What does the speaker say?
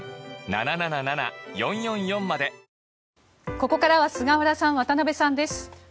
ここからは菅原さん、渡辺さんです。